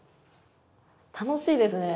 楽しいですね。